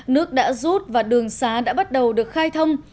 nước đã rút và đường xá đã bắt đầu được khai thông